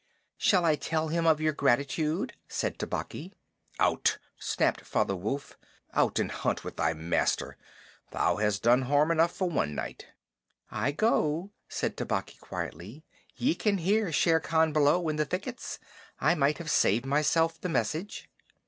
"Shall I tell him of your gratitude?" said Tabaqui. "Out!" snapped Father Wolf. "Out and hunt with thy master. Thou hast done harm enough for one night." "I go," said Tabaqui quietly. "Ye can hear Shere Khan below in the thickets. I might have saved myself the message."